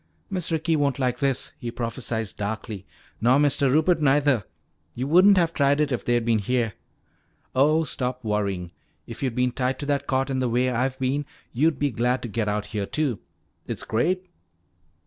"Miss Ricky won't like this," he prophesied darkly. "Nor Mr. Rupert neither. Yo' wouldn't've tried it if they'd been heah." "Oh, stop worrying. If you'd been tied to that cot the way I've been, you'd be glad to get out here, too. It's great!"